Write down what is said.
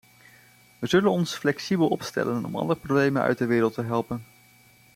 Wij zullen ons flexibel opstellen om alle problemen uit de wereld te helpen.